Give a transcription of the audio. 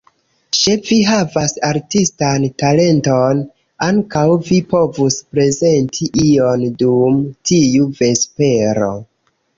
Se vi havas artistan talenton, ankaŭ vi povus prezenti ion dum tiu vespero.